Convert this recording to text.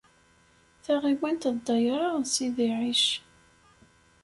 Taɣiwant d ddayra n Sidi Ɛic.